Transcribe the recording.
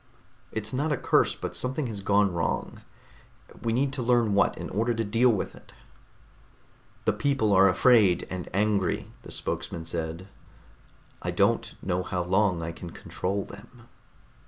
"It's not a curse, but something has gone wrong. We need to learn what, in order to deal with it." "The people are afraid and angry," the spokesman said. "I don't know how long I can control them."